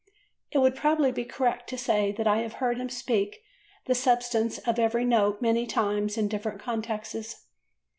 It would probably be correct to say that I have heard him speak the substance of every note many times in different contexts.